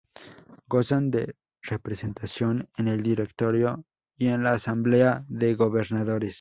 Gozan de representación en el Directorio y en la Asamblea de Gobernadores.